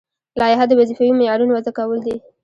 لایحه د وظیفوي معیارونو وضع کول دي.